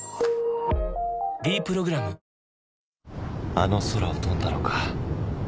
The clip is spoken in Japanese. あの空を飛んだのか